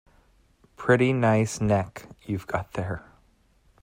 Pretty nice neck you've got there.